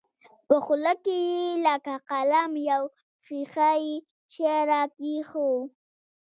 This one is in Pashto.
په خوله کښې يې لکه قلم يو ښيښه يي شى راکښېښوو.